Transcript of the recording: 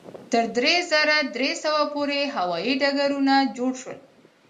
تر درې زره درې سوه پورې هوایي ډګرونه جوړ شول.